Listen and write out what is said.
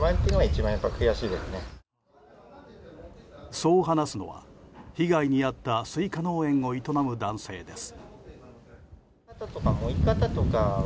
そう話すのは、被害に遭ったスイカ農園を営む男性です。